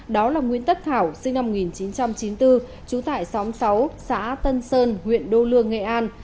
đó là nguyễn tất thảo sinh năm một nghìn chín trăm chín mươi bốn trú tại xóm sáu xã tân sơn huyện đô lương nghệ an